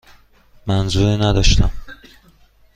منظوری نداشتم.